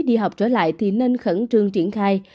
đi học trở lại thì nên khẩn trương triển khai